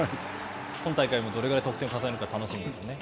今大会もどれくらい得点を重ねるか、楽しみですね。